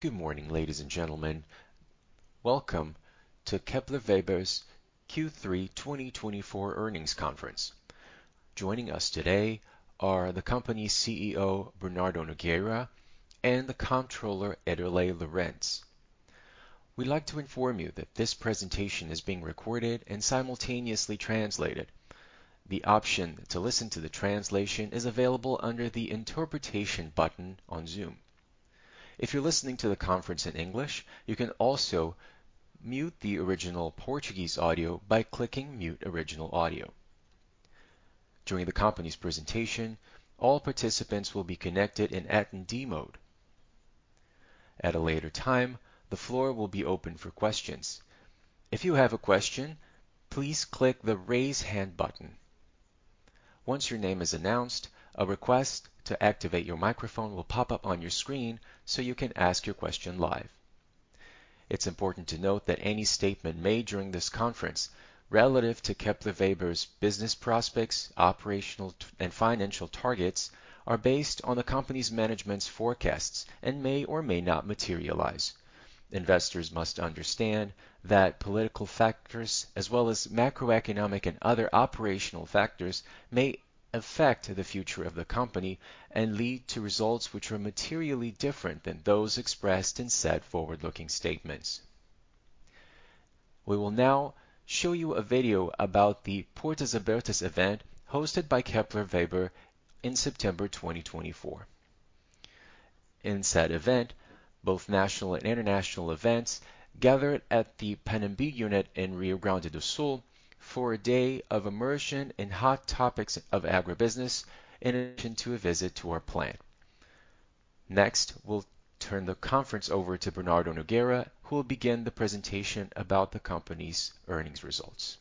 Good morning, ladies and gentlemen. Welcome to Kepler Weber's Q3 2024 earnings conference. Joining us today are the company's CEO, Bernardo Nogueira, and the Comptroller, Ederlei Lorenz. We'd like to inform you that this presentation is being recorded and simultaneously translated. The option to listen to the translation is available under the interpretation button on Zoom. If you're listening to the conference in English, you can also mute the original Portuguese audio by clicking "Mute Original Audio." During the company's presentation, all participants will be connected in Attendee mode. At a later time, the floor will be open for questions. If you have a question, please click the "Raise Hand" button. Once your name is announced, a request to activate your microphone will pop up on your screen so you can ask your question live. It's important to note that any statement made during this conference relative to Kepler Weber's business prospects, operational, and financial targets are based on the company's management's forecasts and may or may not materialize. Investors must understand that political factors, as well as macroeconomic and other operational factors, may affect the future of the company and lead to results which are materially different than those expressed in said forward-looking statements. We will now show you a video about the Portas Abertas event hosted by Kepler Weber in September 2024. In said event, both national and international events gather at the Panambi Unit in Rio Grande do Sul for a day of immersion in hot topics of agribusiness in addition to a visit to our plant. Next, we'll turn the conference over to Bernardo Nogueira, who will begin the presentation about the company's earnings results.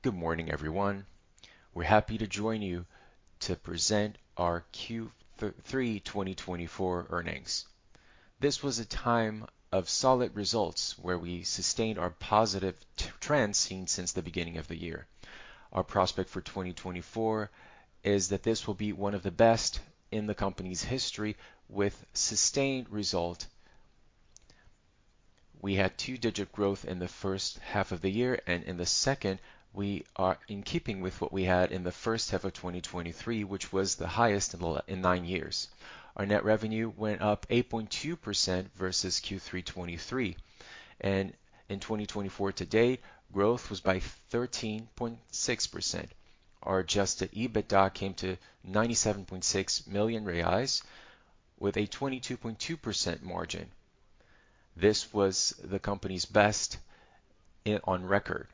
Good morning, everyone. We're happy to join you to present our Q3 2024 earnings. This was a time of solid results where we sustained our positive trend seen since the beginning of the year. Our prospect for 2024 is that this will be one of the best in the company's history with sustained results. We had two-digit growth in the first half of the year, and in the second, we are in keeping with what we had in the first half of 2023, which was the highest in nine years. Our net revenue went up 8.2% versus Q3 2023, and in 2024 today, growth was by 13.6%. Our adjusted EBITDA came to 97.6 million reais, with a 22.2% margin. This was the company's best on record.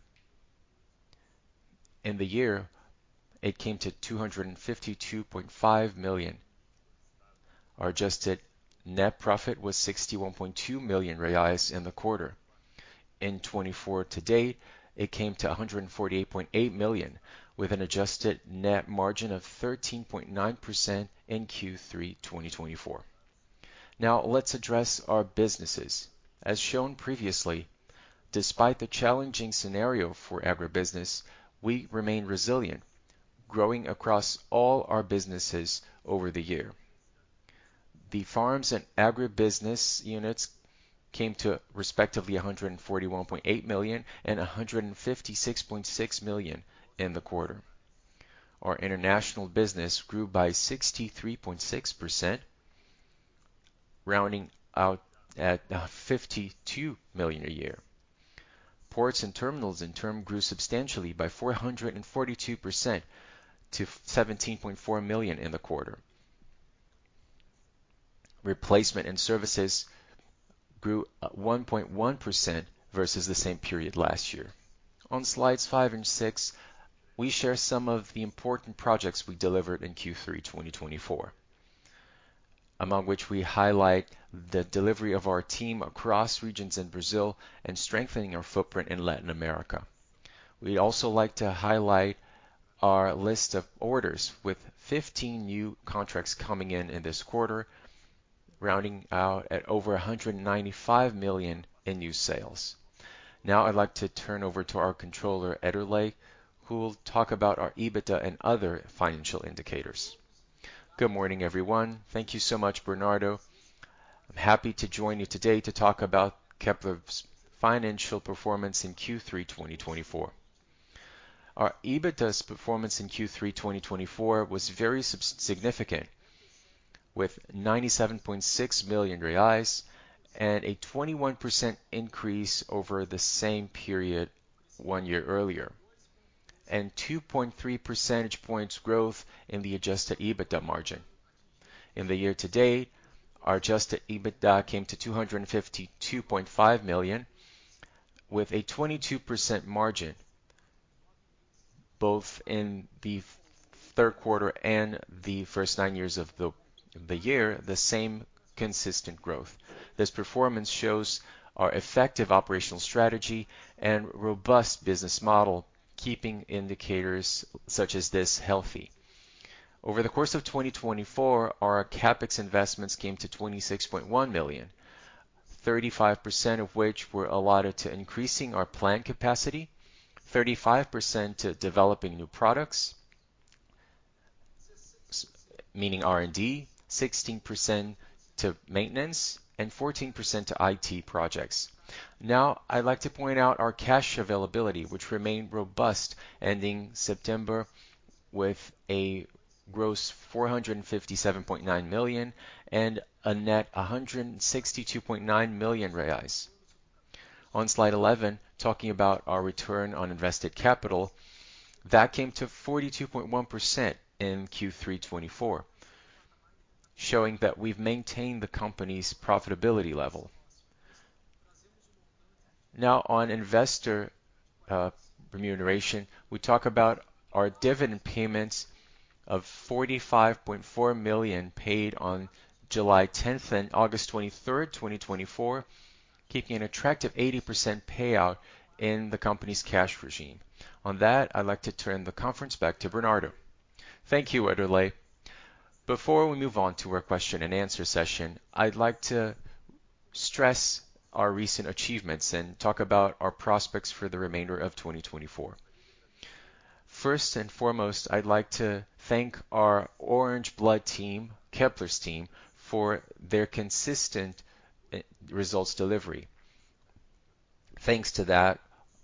In the year, it came to 252.5 million. Our adjusted net profit was 61.2 million reais in the quarter. In 2024 today, it came to 148.8 million, with an adjusted net margin of 13.9% in Q3 2024. Now, let's address our businesses. As shown previously, despite the challenging scenario for agribusiness, we remain resilient, growing across all our businesses over the year. The farms and agribusiness units came to respectively 141.8 million and 156.6 million in the quarter. Our international business grew by 63.6%, rounding out at 52 million a year. Ports and terminals, in turn, grew substantially by 442% to 17.4 million in the quarter. Replacement and services grew 1.1% versus the same period last year. On slides five and six, we share some of the important projects we delivered in Q3 2024, among which we highlight the delivery of our team across regions in Brazil and strengthening our footprint in Latin America. We'd also like to highlight our list of orders, with 15 new contracts coming in in this quarter, rounding out at over 195 million in new sales. Now, I'd like to turn over to our Comptroller, Ederlei, who will talk about our EBITDA and other financial indicators. Good morning, everyone. Thank you so much, Bernardo. I'm happy to join you today to talk about Kepler's financial performance in Q3 2024. Our EBITDA's performance in Q3 2024 was very significant, with 97.6 million reais and a 21% increase over the same period one year earlier, and 2.3 percentage points growth in the adjusted EBITDA margin. In the year to date, our adjusted EBITDA came to 252.5 million, with a 22% margin, both in the third quarter and the first nine months of the year, the same consistent growth. This performance shows our effective operational strategy and robust business model, keeping indicators such as this healthy. Over the course of 2024, our CapEx investments came to 26.1 million, 35% of which were allotted to increasing our plant capacity, 35% to developing new products, meaning R&D, 16% to maintenance, and 14% to IT projects. Now, I'd like to point out our cash availability, which remained robust ending September with a gross 457.9 million and a net 162.9 million reais. On slide 11, talking about our return on invested capital, that came to 42.1% in Q3 2024, showing that we've maintained the company's profitability level. Now, on investor remuneration, we talk about our dividend payments of 45.4 million paid on July 10th and August 23rd, 2024, keeping an attractive 80% payout in the company's cash regime. On that, I'd like to turn the conference back to Bernardo. Thank you, Ederlei. Before we move on to our question-and-answer session, I'd like to stress our recent achievements and talk about our prospects for the remainder of 2024. First and foremost, I'd like to thank our orange-blood team, Kepler's team, for their consistent results delivery. Thanks to that,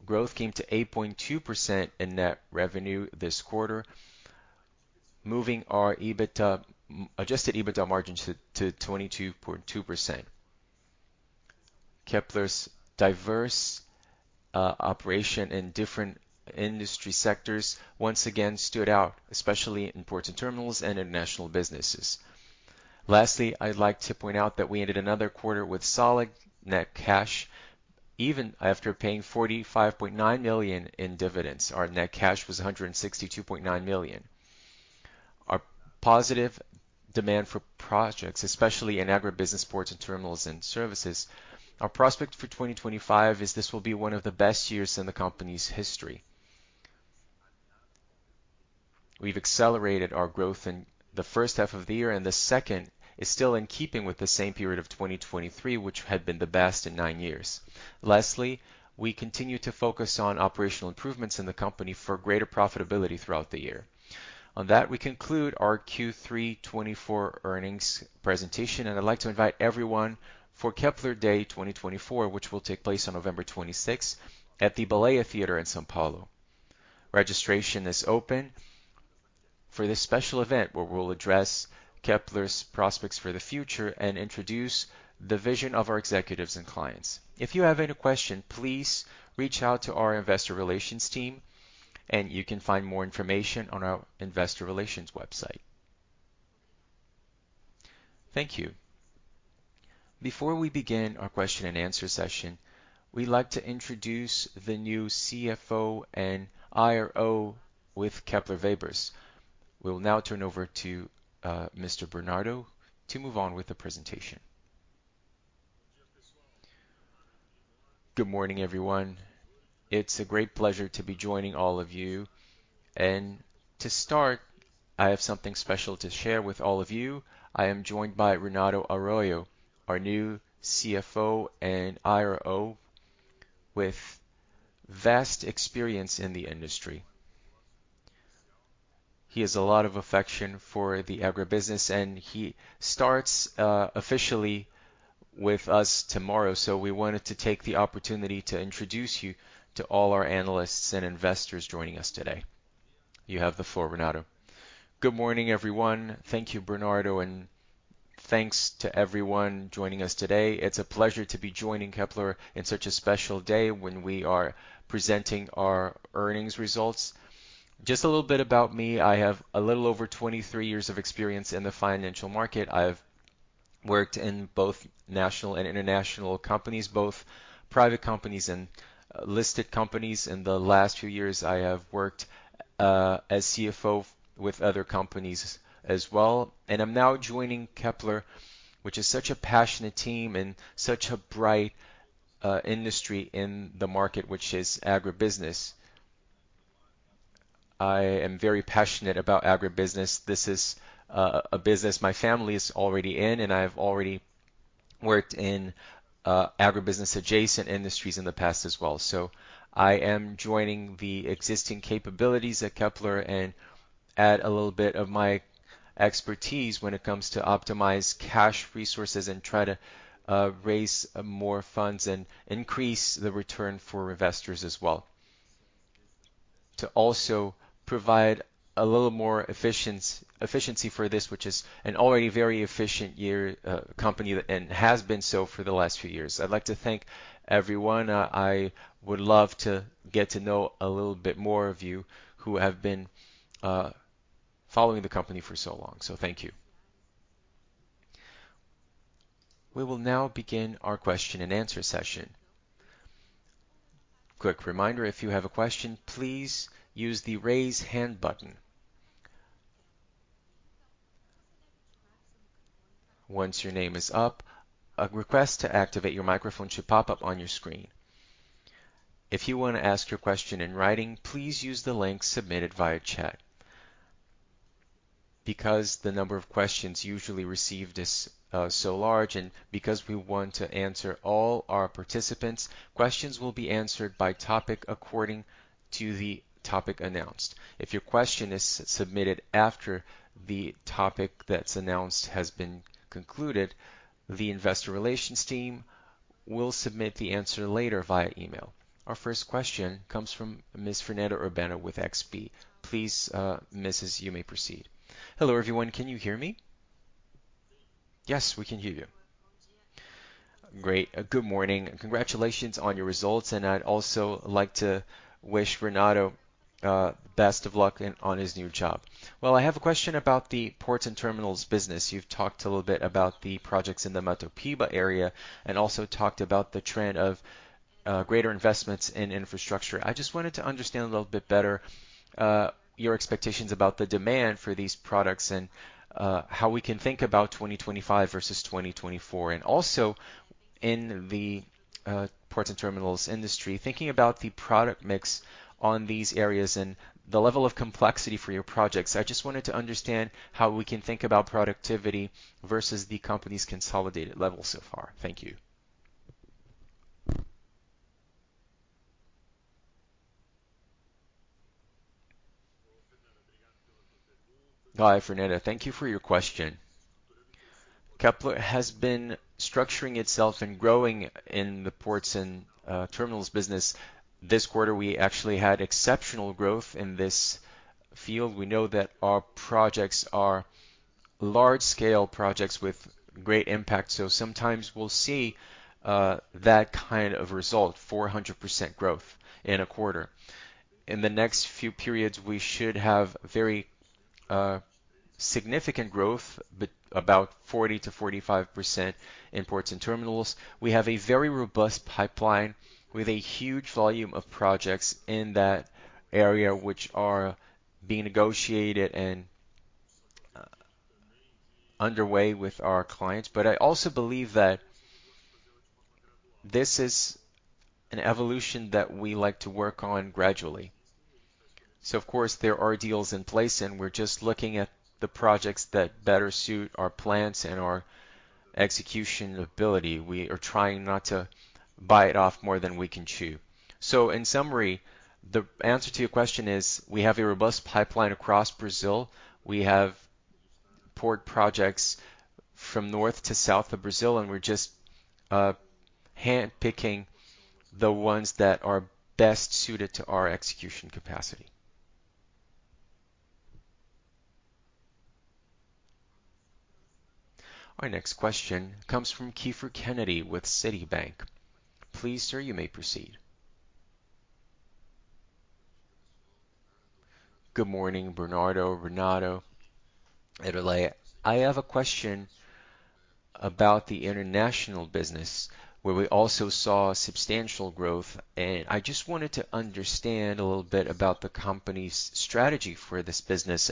growth came to 8.2% in net revenue this quarter, moving our adjusted EBITDA margin to 22.2%. Kepler's diverse operation in different industry sectors once again stood out, especially in ports and terminals and international businesses. Lastly, I'd like to point out that we ended another quarter with solid net cash, even after paying 45.9 million in dividends. Our net cash was 162.9 million. Our positive demand for projects, especially in agribusiness, ports, and terminals and services. Our prospect for 2025 is this will be one of the best years in the company's history. We've accelerated our growth in the first half of the year, and the second is still in keeping with the same period of 2023, which had been the best in nine years. Lastly, we continue to focus on operational improvements in the company for greater profitability throughout the year. On that, we conclude our Q3 2024 earnings presentation, and I'd like to invite everyone for Kepler Day 2024, which will take place on November 26th at the Teatro B32 in São Paulo. Registration is open for this special event, where we'll address Kepler's prospects for the future and introduce the vision of our executives and clients. If you have any questions, please reach out to our investor relations team, and you can find more information on our investor relations website. Thank you. Before we begin our question-and-answer session, we'd like to introduce the new CFO and IRO with Kepler Weber. We'll now turn over to Mr. Bernardo to move on with the presentation. Good morning, everyone. It's a great pleasure to be joining all of you. And to start, I have something special to share with all of you. I am joined by Renato Arroyo, our new CFO and IRO with vast experience in the industry. He has a lot of affection for the agribusiness, and he starts officially with us tomorrow. So we wanted to take the opportunity to introduce you to all our analysts and investors joining us today. You have the floor, Renato. Good morning, everyone. Thank you, Bernardo, and thanks to everyone joining us today. It's a pleasure to be joining Kepler in such a special day when we are presenting our earnings results. Just a little bit about me. I have a little over 23 years of experience in the financial market. I have worked in both national and international companies, both private companies and listed companies. In the last few years, I have worked as CFO with other companies as well, and I'm now joining Kepler, which is such a passionate team and such a bright industry in the market, which is agribusiness. I am very passionate about agribusiness. This is a business my family is already in, and I have already worked in agribusiness-adjacent industries in the past as well, so I am joining the existing capabilities at Kepler and add a little bit of my expertise when it comes to optimize cash resources and try to raise more funds and increase the return for investors as well, to also provide a little more efficiency for this, which is an already very efficient company and has been so for the last few years. I'd like to thank everyone. I would love to get to know a little bit more of you who have been following the company for so long. So thank you. We will now begin our question-and-answer session. Quick reminder, if you have a question, please use the raise hand button. Once your name is up, a request to activate your microphone should pop up on your screen. If you want to ask your question in writing, please use the link submitted via chat. Because the number of questions usually received is so large, and because we want to answer all our participants, questions will be answered by topic according to the topic announced. If your question is submitted after the topic that's announced has been concluded, the investor relations team will submit the answer later via email. Our first question comes from Ms. Fernanda Urbano with XP. Please, Mrs., you may proceed. Hello, everyone. Can you hear me? Yes, we can hear you. Great. Good morning. Congratulations on your results, and I'd also like to wish Renato the best of luck on his new job. I have a question about the ports and terminals business. You've talked a little bit about the projects in the Matopiba area and also talked about the trend of greater investments in infrastructure. I just wanted to understand a little bit better your expectations about the demand for these products and how we can think about 2025 versus 2024. And also, in the ports and terminals industry, thinking about the product mix on these areas and the level of complexity for your projects, I just wanted to understand how we can think about productivity versus the company's consolidated level so far. Thank you. Hi, Fernanda. Thank you for your question. Kepler has been structuring itself and growing in the ports and terminals business. This quarter, we actually had exceptional growth in this field. We know that our projects are large-scale projects with great impact. So sometimes we'll see that kind of result, 400% growth in a quarter. In the next few periods, we should have very significant growth, about 40%-45% in ports and terminals. We have a very robust pipeline with a huge volume of projects in that area which are being negotiated and underway with our clients. But I also believe that this is an evolution that we like to work on gradually. So, of course, there are deals in place, and we're just looking at the projects that better suit our plans and our executability. We are trying not to bite off more than we can chew. So, in summary, the answer to your question is we have a robust pipeline across Brazil. We have port projects from north to south of Brazil, and we're just handpicking the ones that are best suited to our execution capacity. Our next question comes from Kiepher Kennedy with Citibank. Please, sir, you may proceed. Good morning, Bernardo. Renato, Ederlei. I have a question about the international business, where we also saw substantial growth. And I just wanted to understand a little bit about the company's strategy for this business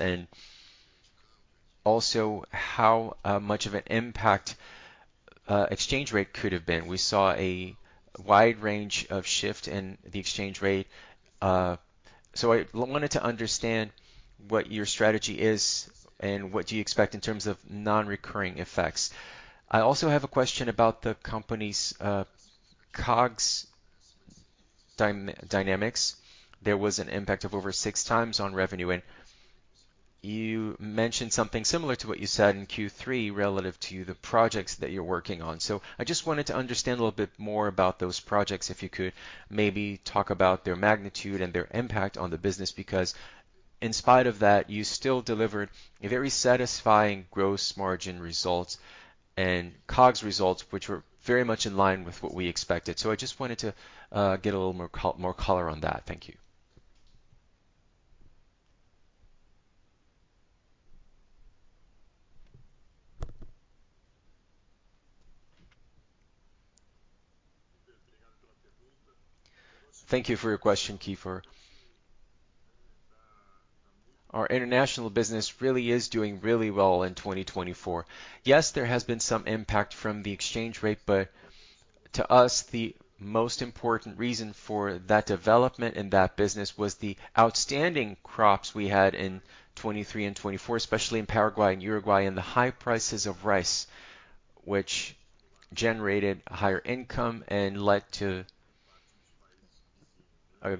and also how much of an impact the exchange rate could have been. We saw a wide range of shift in the exchange rate. So I wanted to understand what your strategy is and what you expect in terms of non-recurring effects. I also have a question about the company's COGS dynamics. There was an impact of over six times on revenue, and you mentioned something similar to what you said in Q3 relative to the projects that you're working on. I just wanted to understand a little bit more about those projects, if you could maybe talk about their magnitude and their impact on the business, because in spite of that, you still delivered very satisfying gross margin results and COGS results, which were very much in line with what we expected, so I just wanted to get a little more color on that. Thank you. Thank you for your question, Kiefer. Our international business really is doing really well in 2024. Yes, there has been some impact from the exchange rate, but to us, the most important reason for that development in that business was the outstanding crops we had in 2023 and 2024, especially in Paraguay and Uruguay, and the high prices of rice, which generated higher income and led to a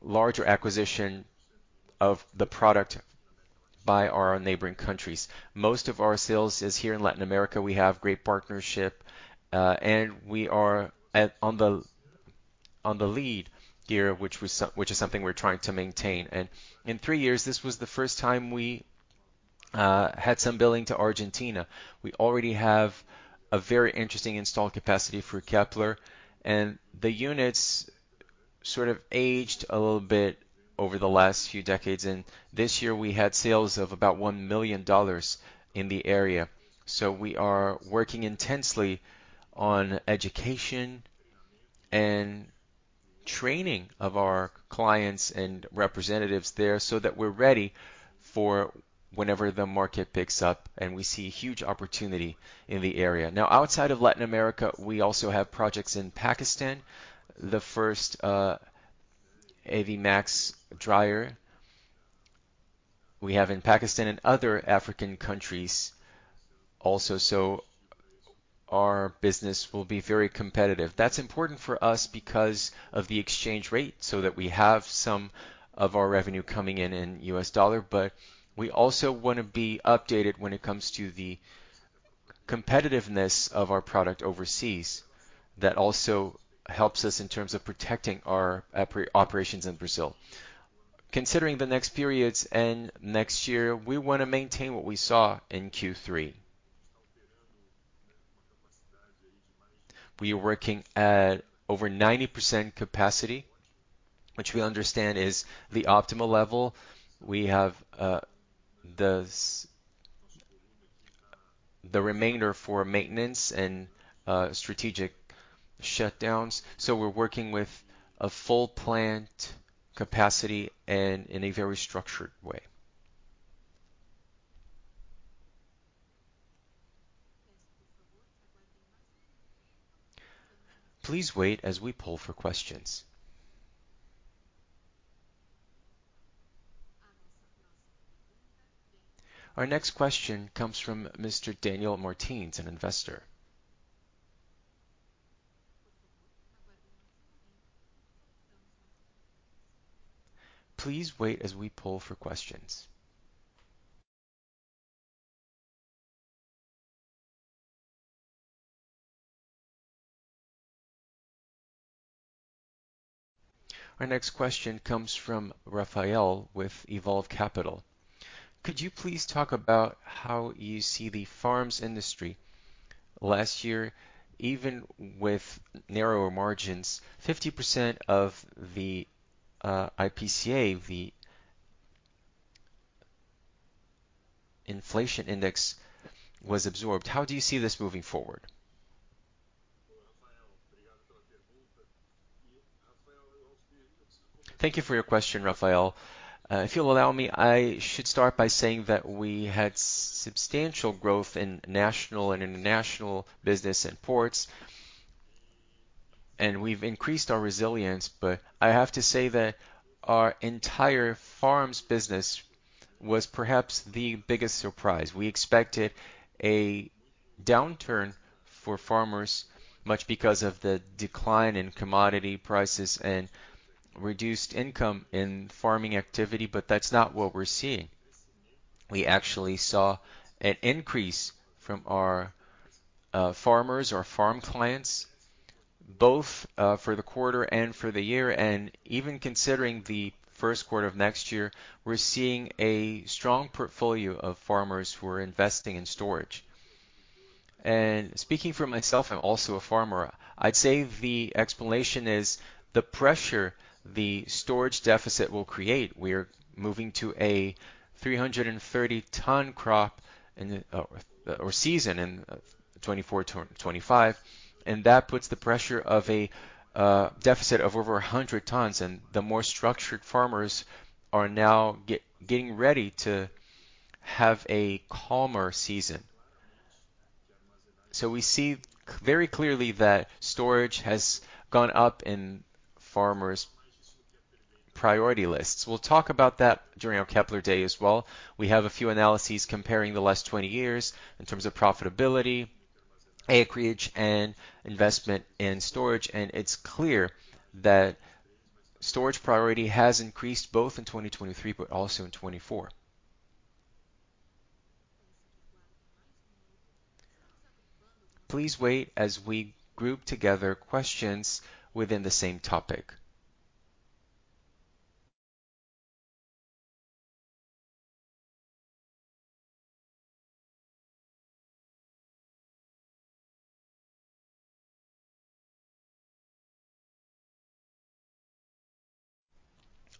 larger acquisition of the product by our neighboring countries. Most of our sales is here in Latin America. We have a great partnership, and we are in the lead here, which is something we're trying to maintain. And in three years, this was the first time we had some billing to Argentina. We already have a very interesting installed capacity for Kepler, and the units sort of aged a little bit over the last few decades. And this year, we had sales of about $1 million in the area. We are working intensely on education and training of our clients and representatives there so that we're ready for whenever the market picks up, and we see huge opportunity in the area. Now, outside of Latin America, we also have projects in Pakistan. The first AV Max dryer we have in Pakistan, and other African countries also. So our business will be very competitive. That's important for us because of the exchange rate, so that we have some of our revenue coming in in US dollar. But we also want to be updated when it comes to the competitiveness of our product overseas. That also helps us in terms of protecting our operations in Brazil. Considering the next periods and next year, we want to maintain what we saw in Q3. We are working at over 90% capacity, which we understand is the optimal level. We have the remainder for maintenance and strategic shutdowns. So we're working with a full plant capacity and in a very structured way. Please wait as we call for questions. Our next question comes from Mr. Daniel Martins, an investor. Please wait as we call for questions. Our next question comes from Rafael with Evolve Capital. Could you please talk about how you see the farms industry last year, even with narrower margins? 50% of the IPCA, the inflation index, was absorbed. How do you see this moving forward? Thank you for your question, Rafael. If you'll allow me, I should start by saying that we had substantial growth in national and international business and ports, and we've increased our resilience. But I have to say that our entire farms business was perhaps the biggest surprise. We expected a downturn for farmers, much because of the decline in commodity prices and reduced income in farming activity, but that's not what we're seeing. We actually saw an increase from our farmers, our farm clients, both for the quarter and for the year. And even considering the first quarter of next year, we're seeing a strong portfolio of farmers who are investing in storage. And speaking for myself, I'm also a farmer. I'd say the explanation is the pressure the storage deficit will create. We are moving to a 330-ton crop or season in 2024 to 2025, and that puts the pressure of a deficit of over 100 tons. And the more structured farmers are now getting ready to have a calmer season. So we see very clearly that storage has gone up in farmers' priority lists. We'll talk about that during our Kepler Day as well. We have a few analyses comparing the last 20 years in terms of profitability, acreage, and investment in storage. And it's clear that storage priority has increased both in 2023 but also in 2024. Please wait as we group together questions within the same topic.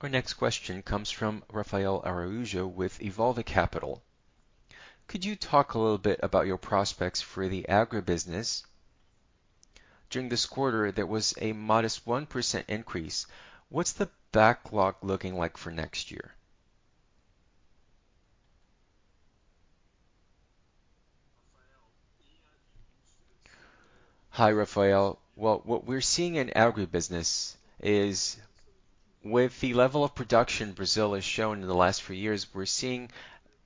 Our next question comes from Rafael Araújo with Evolve Capital. Could you talk a little bit about your prospects for the agribusiness? During this quarter, there was a modest 1% increase. What's the backlog looking like for next year? Hi, Rafael. Well, what we're seeing in agribusiness is, with the level of production Brazil has shown in the last few years, we're seeing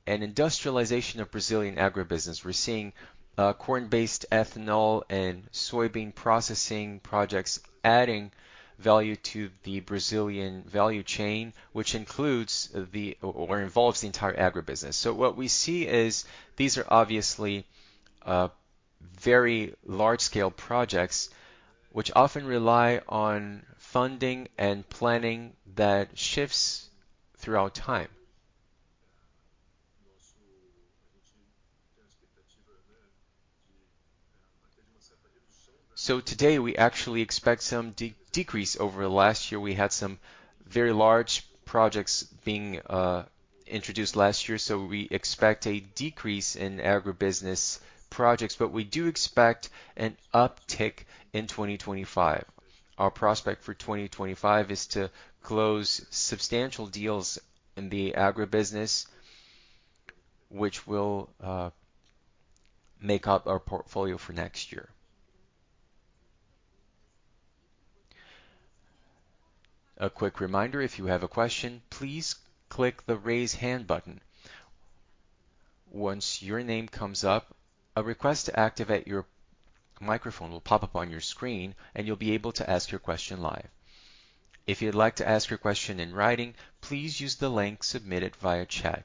an industrialization of Brazilian agribusiness. We're seeing corn-based ethanol and soybean processing projects adding value to the Brazilian value chain, which includes or involves the entire agribusiness. What we see is these are obviously very large-scale projects, which often rely on funding and planning that shifts throughout time. Today, we actually expect some decrease. Over the last year, we had some very large projects being introduced last year. We expect a decrease in agribusiness projects, but we do expect an uptick in 2025. Our prospect for 2025 is to close substantial deals in the agribusiness, which will make up our portfolio for next year. A quick reminder, if you have a question, please click the raise hand button. Once your name comes up, a request to activate your microphone will pop up on your screen, and you'll be able to ask your question live. If you'd like to ask your question in writing, please use the link submitted via chat.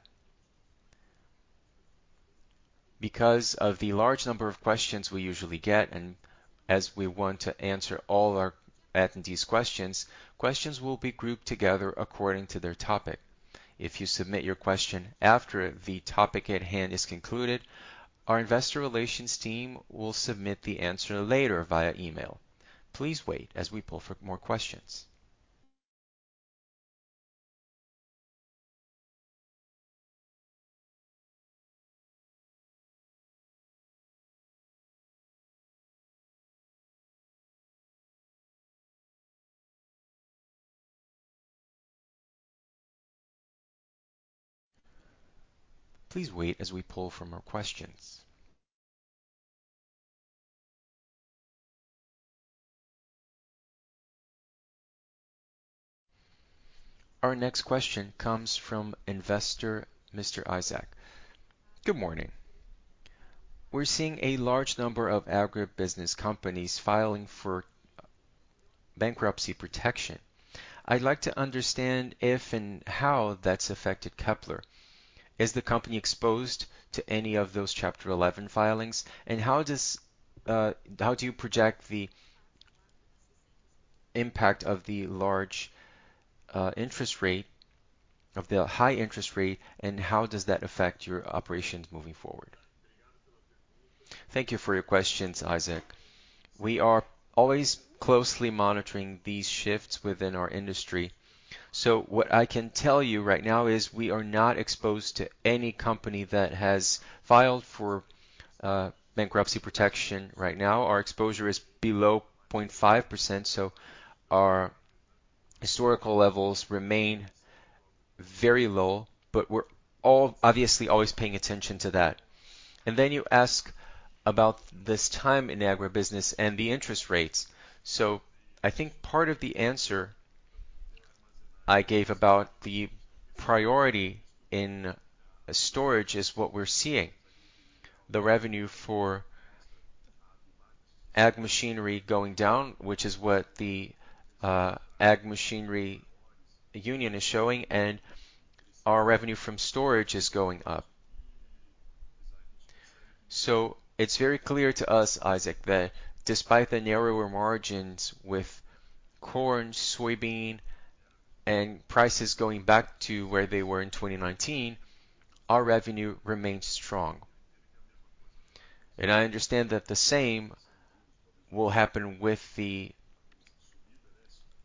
Because of the large number of questions we usually get, and as we want to answer all our attendees' questions, questions will be grouped together according to their topic. If you submit your question after the topic at hand is concluded, our investor relations team will submit the answer later via email. Please wait as we pull for more questions. Our next question comes from investor Mr. Isaac. Good morning. We're seeing a large number of agribusiness companies filing for bankruptcy protection. I'd like to understand if and how that's affected Kepler. Is the company exposed to any of those Chapter 11 filings? And how do you project the impact of the large interest rate, of the high interest rate, and how does that affect your operations moving forward? Thank you for your questions, Isaac. We are always closely monitoring these shifts within our industry, so what I can tell you right now is we are not exposed to any company that has filed for bankruptcy protection right now. Our exposure is below 0.5%, so our historical levels remain very low, but we're obviously always paying attention to that, and then you ask about this time in agribusiness and the interest rates, so I think part of the answer I gave about the priority in storage is what we're seeing. The revenue for ag machinery going down, which is what the Ag Machinery Union is showing, and our revenue from storage is going up, so it's very clear to us, Isaac, that despite the narrower margins with corn, soybean, and prices going back to where they were in 2019, our revenue remains strong. And I understand that the same will happen with the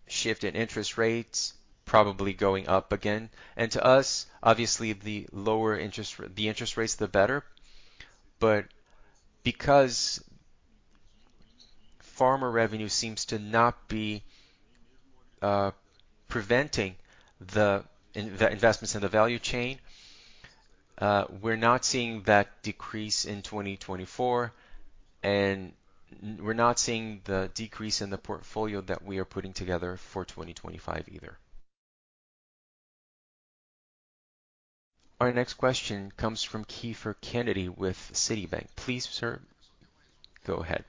shift in interest rates, probably going up again. And to us, obviously, the lower interest rates, the better. But because farmer revenue seems to not be preventing the investments in the value chain, we're not seeing that decrease in 2024, and we're not seeing the decrease in the portfolio that we are putting together for 2025 either. Our next question comes from Kiefer Kennedy with Citibank. Please, sir, go ahead.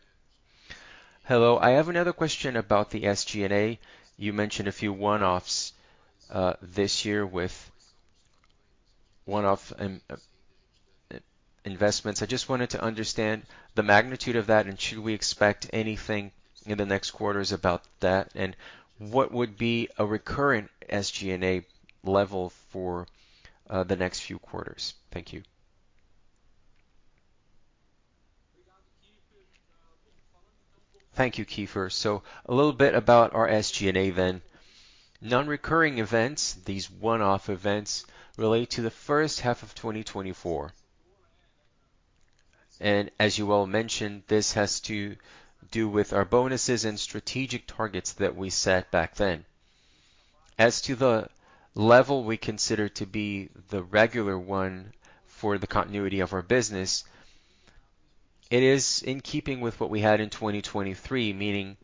Hello. I have another question about the SG&A. You mentioned a few one-offs this year with one-off investments. I just wanted to understand the magnitude of that, and should we expect anything in the next quarters about that? And what would be a recurrent SG&A level for the next few quarters? Thank you. Thank you, Kiefer. So a little bit about our SG&A then. Non-recurring events, these one-off events, relate to the first half of 2024. And as you well mentioned, this has to do with our bonuses and strategic targets that we set back then. As to the level we consider to be the regular one for the continuity of our business, it is in keeping with what we had in 2023, meaning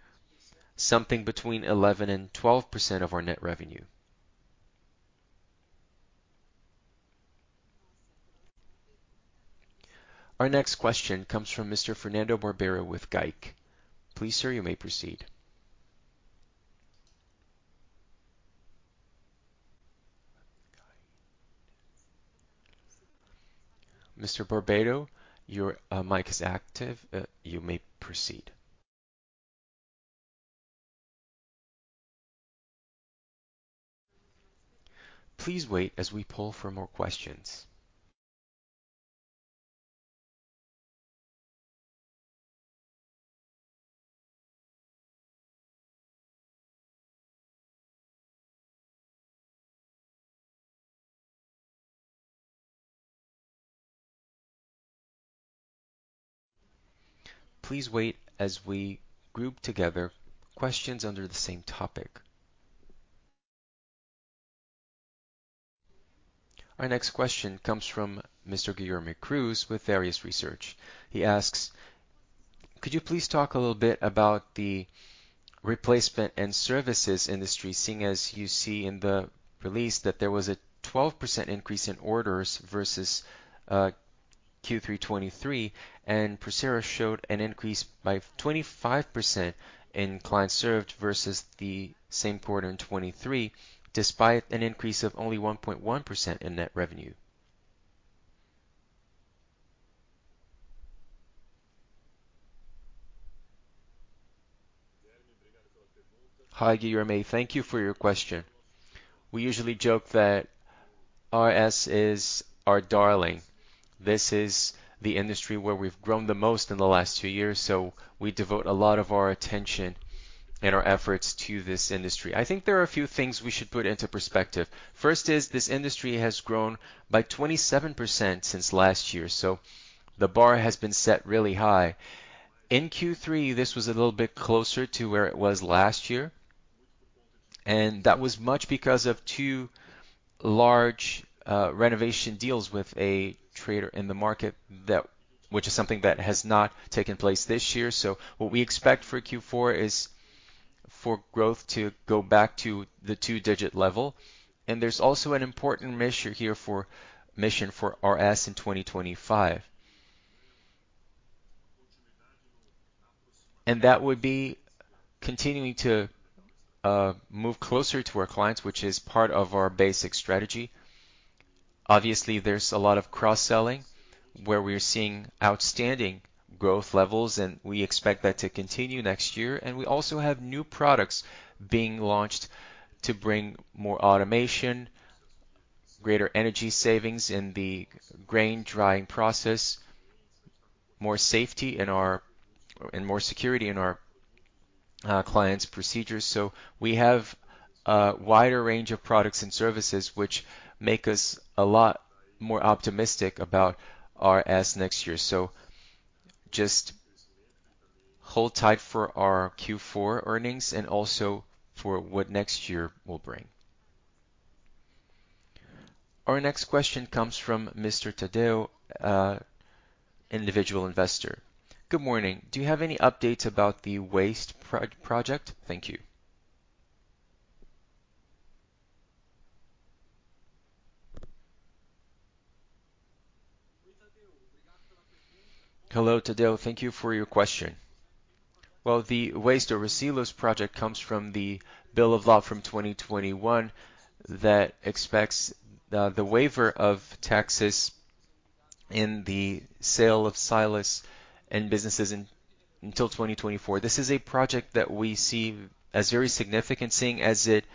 something between 11% and 12% of our net revenue. Our next question comes from Mr. Fernando Barbero with GIC. Please, sir, you may proceed. Mr. Barbero, your mic is active. You may proceed. Please wait as we poll for more questions. Please wait as we group together questions under the same topic. Our next question comes from Mr. Guilherme Cruz with Varius Research. He asks, could you please talk a little bit about the replacement and services industry, seeing as you see in the release that there was a 12% increase in orders versus Q3 2023, and Procer showed an increase by 25% in clients served versus the same quarter in 2023, despite an increase of only 1.1% in net revenue? Hi, Guilherme. Thank you for your question. We usually joke that RS is our darling. This is the industry where we've grown the most in the last two years, so we devote a lot of our attention and our efforts to this industry. I think there are a few things we should put into perspective. First is this industry has grown by 27% since last year, so the bar has been set really high. In Q3, this was a little bit closer to where it was last year, and that was much because of two large renovation deals with a trader in the market, which is something that has not taken place this year. So what we expect for Q4 is for growth to go back to the two-digit level. And there's also an important mission here for RS in 2025. And that would be continuing to move closer to our clients, which is part of our basic strategy. Obviously, there's a lot of cross-selling where we're seeing outstanding growth levels, and we expect that to continue next year. And we also have new products being launched to bring more automation, greater energy savings in the grain drying process, more safety and more security in our clients' procedures. So we have a wider range of products and services, which make us a lot more optimistic about RS next year. So just hold tight for our Q4 earnings and also for what next year will bring. Our next question comes from Mr. Tadeu, individual investor. Good morning. Do you have any updates about the ReSilos Project? Thank you. Hello, Tadeu. Thank you for your question. Well, the ReSilos Project comes from the bill of law from 2021 that expects the waiver of taxes in the sale of silos and businesses until 2024. This is a project that we see as very significant, seeing as it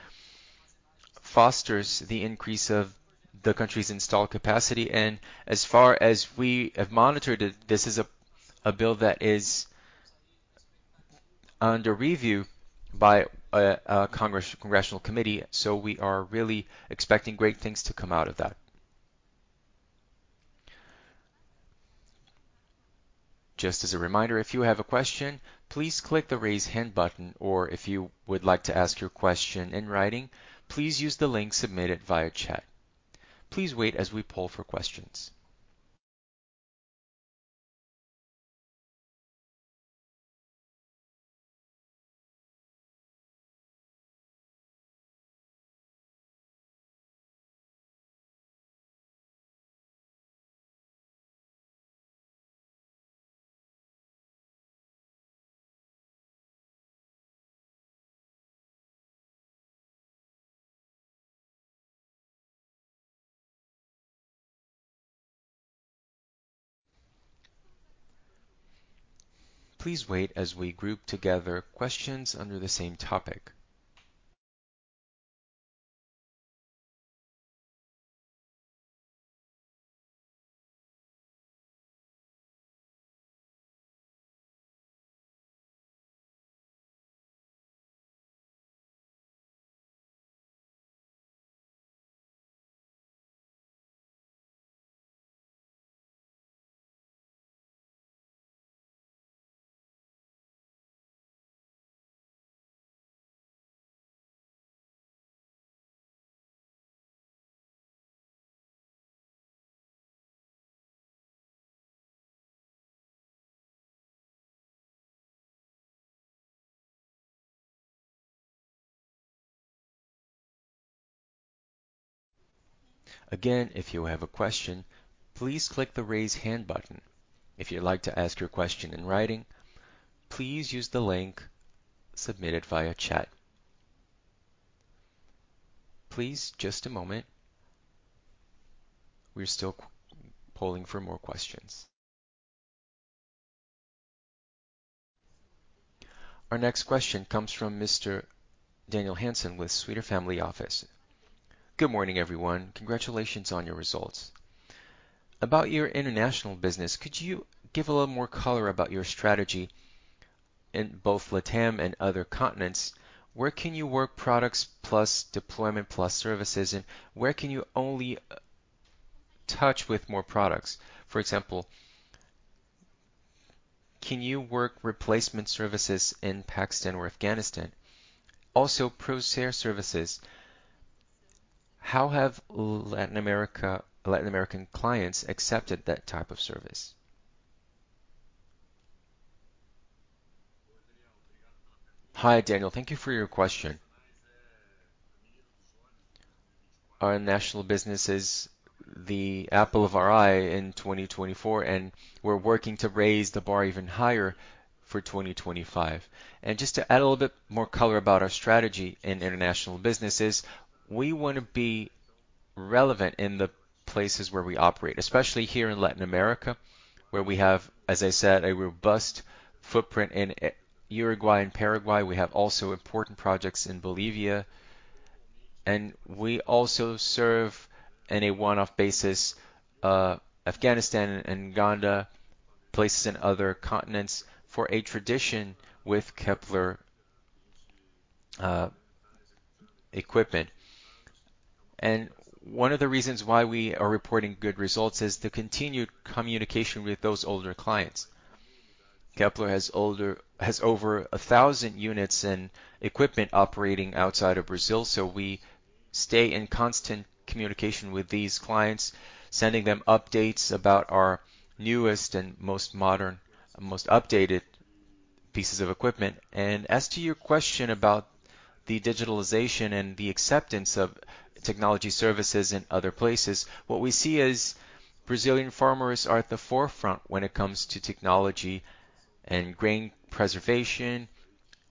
fosters the increase of the country's installed capacity. And as far as we have monitored it, this is a bill that is under review by a congressional committee, so we are really expecting great things to come out of that. Just as a reminder, if you have a question, please click the raise hand button, or if you would like to ask your question in writing, please use the link submitted via chat. Please wait as we poll for questions. Please wait as we group together questions under the same topic. Again, if you have a question, please click the raise hand button. If you'd like to ask your question in writing, please use the link submitted via chat. Please, just a moment. We're still polling for more questions. Our next question comes from Mr. Daniel Hansen with Sutter Family Office. Good morning, everyone. Congratulations on your results. About your international business, could you give a little more color about your strategy in both LATAM and other continents? Where can you work products plus deployment plus services, and where can you only touch with more products? For example, can you work replacement services in Pakistan or Afghanistan? Also, Procer Services, how have Latin American clients accepted that type of service? Hi, Daniel. Thank you for your question. Our national business is the apple of our eye in 2024, and we're working to raise the bar even higher for 2025, and just to add a little bit more color about our strategy in international businesses, we want to be relevant in the places where we operate, especially here in Latin America, where we have, as I said, a robust footprint in Uruguay and Paraguay. We have also important projects in Bolivia, and we also serve on a one-off basis Afghanistan and Uganda, places in other continents for a tradition with Kepler equipment, and one of the reasons why we are reporting good results is the continued communication with those older clients. Kepler Weber has over 1,000 units and equipment operating outside of Brazil, so we stay in constant communication with these clients, sending them updates about our newest and most modern, most updated pieces of equipment, and as to your question about the digitalization and the acceptance of technology services in other places, what we see is Brazilian farmers are at the forefront when it comes to technology and grain preservation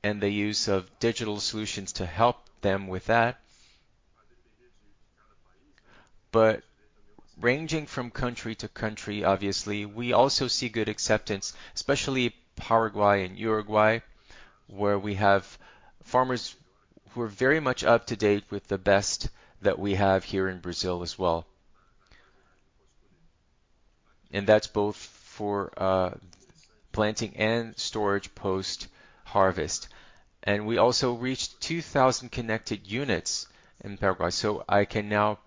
and the use of digital solutions to help them with that, but ranging from country to country, obviously, we also see good acceptance, especially Paraguay and Uruguay, where we have farmers who are very much up to date with the best that we have here in Brazil as well, and that's both for planting and storage post-harvest. We also reached 2,000 connected units in Paraguay, so I can now,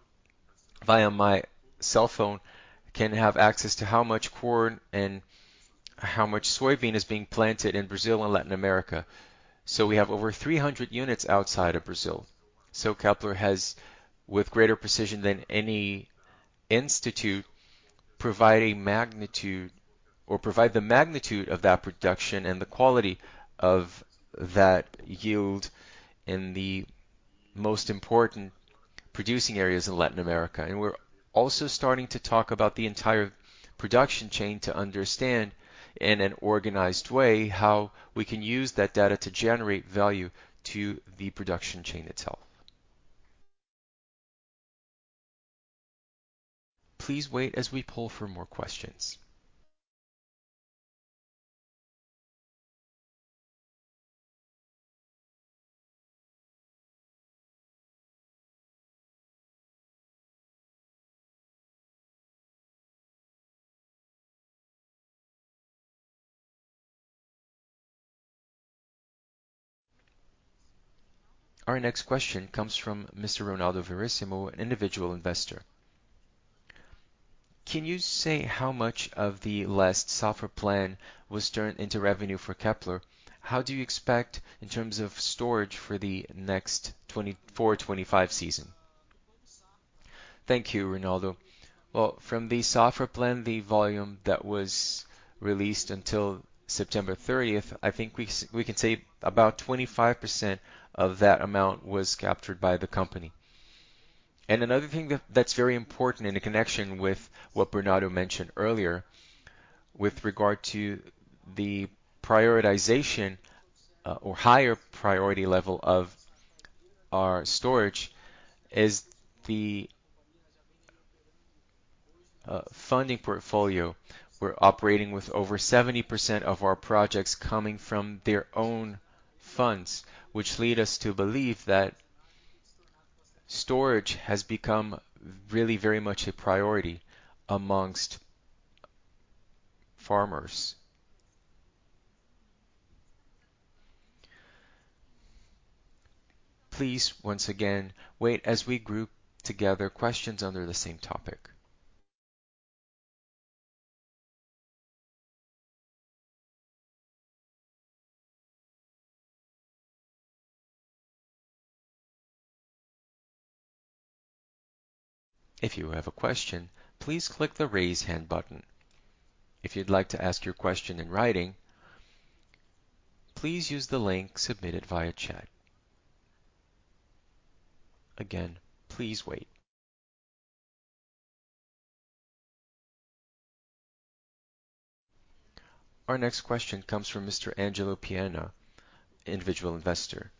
via my cell phone, have access to how much corn and how much soybean is being planted in Brazil and Latin America. So we have over 300 units outside of Brazil. So Kepler has, with greater precision than any institute, provided the magnitude of that production and the quality of that yield in the most important producing areas in Latin America. And we're also starting to talk about the entire production chain to understand, in an organized way, how we can use that data to generate value to the production chain itself. Please wait as we poll for more questions. Our next question comes from Mr. Ronaldo Veríssimo, an individual investor. Can you say how much of the last Safra plan was turned into revenue for Kepler? How do you expect, in terms of storage, for the next '24-'25 season? Thank you, Ronaldo. From the Safra Plan, the volume that was released until September 30th, I think we can say about 25% of that amount was captured by the company. And another thing that's very important in connection with what Bernardo mentioned earlier, with regard to the prioritization or higher priority level of our storage, is the funding portfolio. We're operating with over 70% of our projects coming from their own funds, which leads us to believe that storage has become really very much a priority amongst farmers. Please, once again, wait as we group together questions under the same topic. If you have a question, please click the raise hand button. If you'd like to ask your question in writing, please use the link submitted via chat. Again, please wait. Our next question comes from Mr. Ângelo Pienna, individual investor.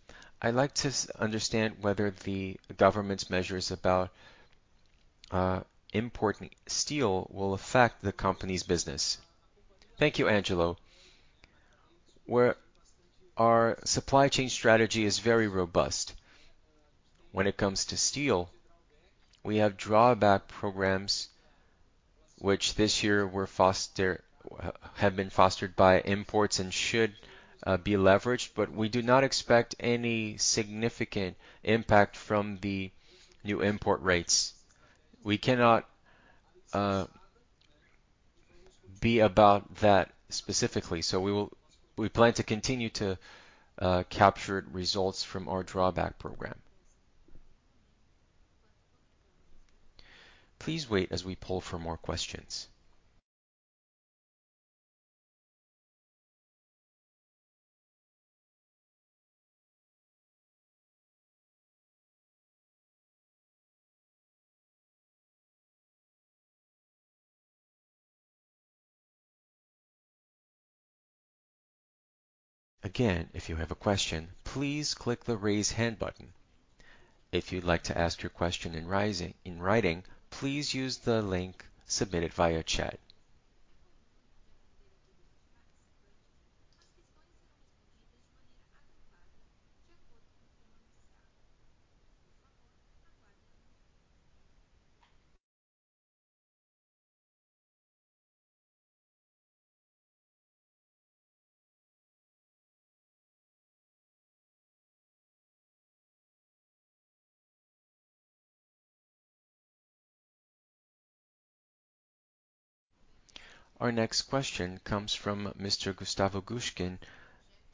I'd like to understand whether the government's measures about importing steel will affect the company's business. Thank you, Ângelo. Our supply chain strategy is very robust. When it comes to steel, we have drawback programs, which this year have been fostered by imports and should be leveraged, but we do not expect any significant impact from the new import rates. We cannot be specific about that specifically, so we plan to continue to capture results from our drawback program. Please wait as we poll for more questions. Again, if you have a question, please click the raise hand button. If you'd like to ask your question in writing, please use the link submitted via chat. Our next question comes from Mr. Gustavo Gushiken,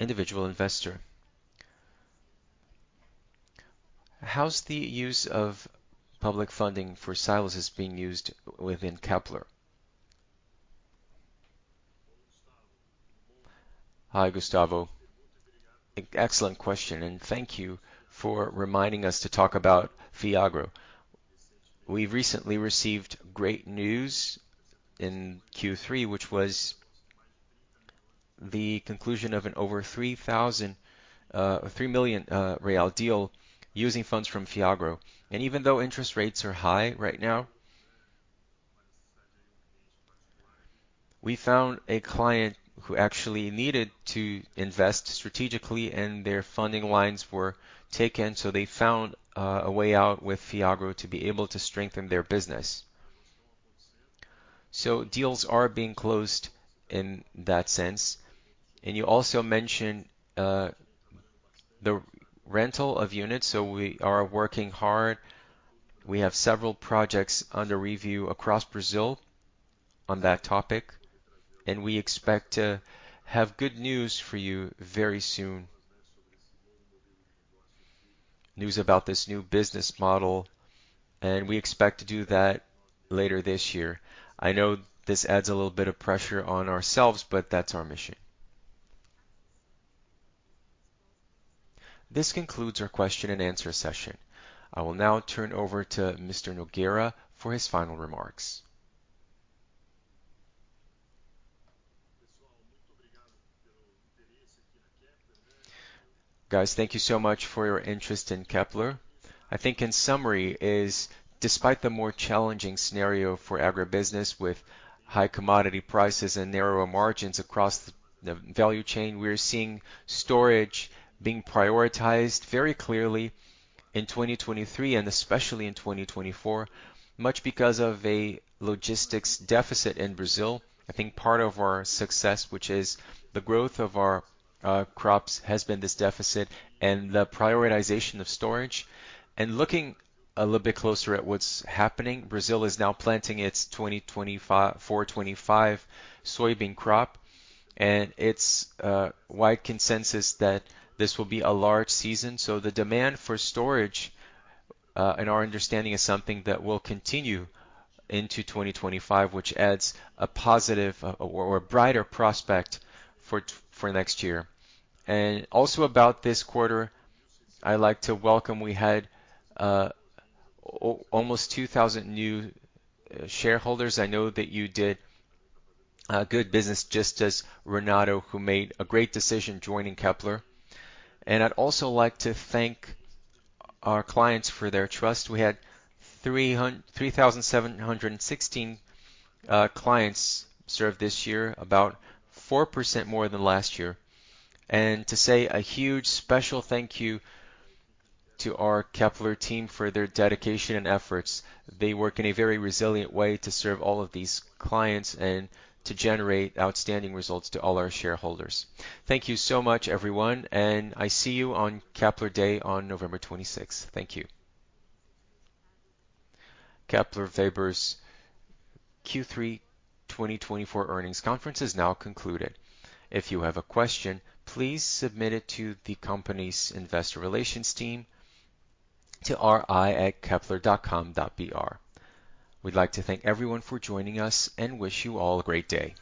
individual investor. How's the use of public funding for silos being used within Kepler? Hi, Gustavo. Excellent question, and thank you for reminding us to talk about Fiagro. We recently received great news in Q3, which was the conclusion of an over 3 million real deal using funds from Fiagro. Even though interest rates are high right now, we found a client who actually needed to invest strategically, and their funding lines were taken, so they found a way out with Fiagro to be able to strengthen their business. Deals are being closed in that sense. You also mentioned the rental of units, so we are working hard. We have several projects under review across Brazil on that topic, and we expect to have good news for you very soon. News about this new business model, and we expect to do that later this year. I know this adds a little bit of pressure on ourselves, but that's our mission. This concludes our question and answer session. I will now turn over to Mr. Nogueira for his final remarks. Guys, thank you so much for your interest in Kepler. I think in summary, despite the more challenging scenario for agribusiness with high commodity prices and narrower margins across the value chain, we're seeing storage being prioritized very clearly in 2023 and especially in 2024, much because of a logistics deficit in Brazil. I think part of our success, which is the growth of our crops, has been this deficit and the prioritization of storage, and looking a little bit closer at what's happening, Brazil is now planting its 2024-'25 soybean crop, and it's wide consensus that this will be a large season. So the demand for storage, in our understanding, is something that will continue into 2025, which adds a positive or a brighter prospect for next year. And also about this quarter, I'd like to welcome we had almost 2,000 new shareholders. I know that you did good business just as Ronaldo, who made a great decision joining Kepler. And I'd also like to thank our clients for their trust. We had 3,716 clients served this year, about 4% more than last year. And to say a huge special thank you to our Kepler team for their dedication and efforts. They work in a very resilient way to serve all of these clients and to generate outstanding results to all our shareholders. Thank you so much, everyone, and I see you on Kepler Day on November 26th. Thank you. Kepler Weber's Q3 2024 earnings conference is now concluded. If you have a question, please submit it to the company's investor relations team to ri@keplerweber.com.br. We'd like to thank everyone for joining us and wish you all a great day.